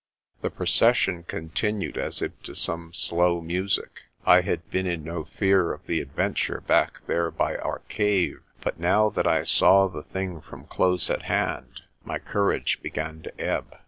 The procession continued as if to some slow music. I had been in no fear of the adventure back there by our cave; but now that I saw the thing from close at hand, my cour age began to ebb.